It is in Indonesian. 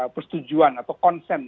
persetujuan atau consent